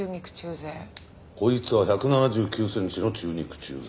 こいつは１７９センチの中肉中背。